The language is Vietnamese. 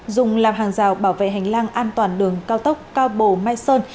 dùng làm hàng rào bảo vệ hành lang an toàn đường cao tốc cao bồ mai sơn